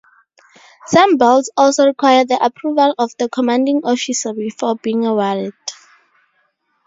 Some belts also require the approval of the commanding officer before being awarded.